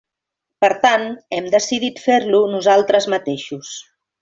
Per tant, hem decidit fer-lo nosaltres mateixos.